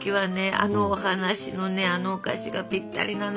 あのお話のあのお菓子がぴったりなのよ。